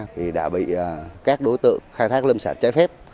thì đã bị các đối tượng khai thác lâm sản trái phép